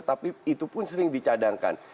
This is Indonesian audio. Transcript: tapi itu pun sering dicadangkan